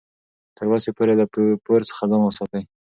تر وسې پورې له پور څخه ځان وساتئ.